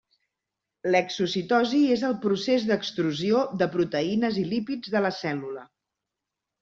L'exocitosi és el procés d'extrusió de proteïnes i lípids de la cèl·lula.